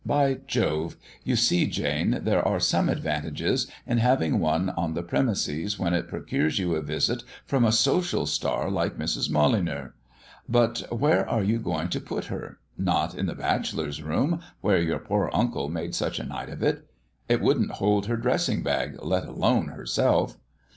By Jove! You see, Jane, there are some advantages in having one on the premises when it procures you a visit from a social star like Mrs. Molyneux. But where are you going to put her? Not in the bachelor's room, where your poor uncle made such a night of it? It wouldn't hold her dressing bag, let alone herself."